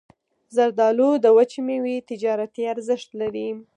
زردالو د وچې میوې تجارتي ارزښت لري.